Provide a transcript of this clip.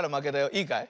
いいかい？